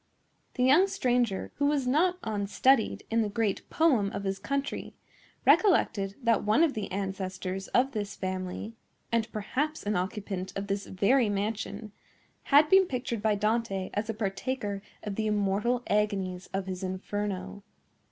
The young stranger, who was not unstudied in the great poem of his country, recollected that one of the ancestors of this family, and perhaps an occupant of this very mansion, had been pictured by Dante as a partaker of the immortal agonies of his Inferno.